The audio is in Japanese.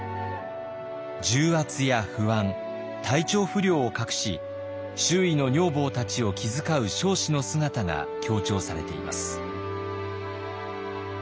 重圧や不安体調不良を隠し周囲の女房たちを気遣う彰子の姿が強調されています。